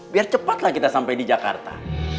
biar cepatlah kita sampai di jakarta